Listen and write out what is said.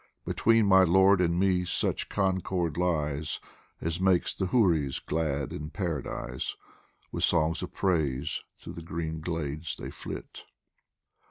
Between my Lord and me such concord lies As makes the Huris glad in Paradise, With songs of praise through the green glades they flit.